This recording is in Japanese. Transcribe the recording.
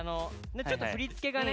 ちょっと振り付けがね